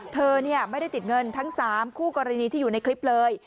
เธอไม่ได้ติดเงินทั้ง๓คู่กรณีที่อยู่ในคลิปเลย